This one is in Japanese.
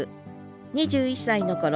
２１歳のころ